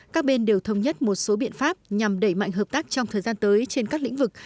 các bên đều thông nhất một số biện pháp nhằm đẩy mạnh hợp tác trong thời gian tới trên các lĩnh vực